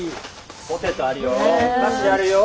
ポテトあるよ